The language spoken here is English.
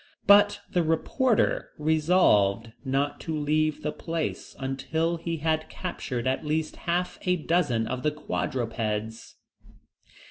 But the reporter resolved not to leave the place, until he had captured at least half a dozen of the quadrupeds.